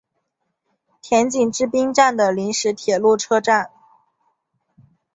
田井之滨站的临时铁路车站。